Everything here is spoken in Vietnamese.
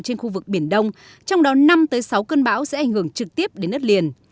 trên khu vực biển đông trong đó năm sáu cơn bão sẽ ảnh hưởng trực tiếp đến đất liền